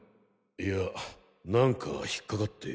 いや何か引っかかって。